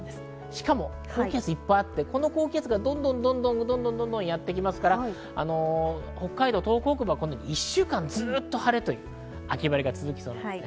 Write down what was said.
しかも高気圧がいっぱいあって、これがどんどんやってきますから北海道、東北北部は１週間ずっと晴れという秋晴れが続きます。